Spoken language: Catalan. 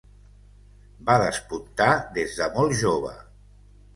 Va despuntar des de molt jove.